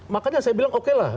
makanya saya bilang okelah